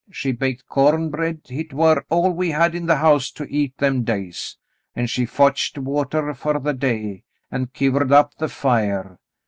She baked corn bread — hit war all we had in the house to eat them days, an' she fotched water fer the day, an' kivered up the fire.